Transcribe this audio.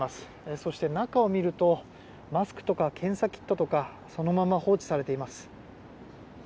そして中を見るとマスクとか検査キットとかそのまま放置されています。